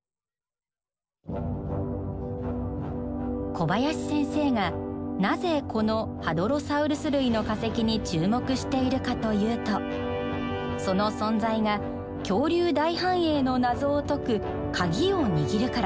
小林先生がなぜこのハドロサウルス類の化石に注目しているかというとその存在が恐竜大繁栄の謎を解く鍵を握るからです。